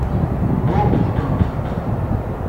Bḍu, tḥekmed!